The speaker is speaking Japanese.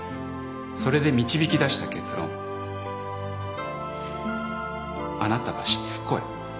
それで導き出した結論あなたはしつこい。